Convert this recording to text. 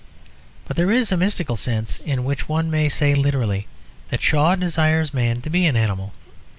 But there is a mystical sense in which one may say literally that Shaw desires man to be an animal.